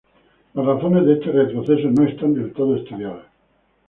Las razones de este retroceso no están del todo estudiadas.